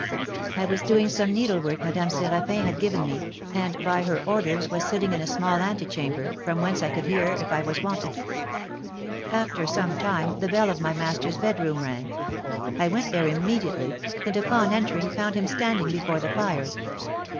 I was doing some needlework Madame Séraphin had given me, and by her orders was sitting in a small antechamber, from whence I could hear if I was wanted. After some time the bell of my master's bedroom rang; I went there immediately, and upon entering found him standing before the fire.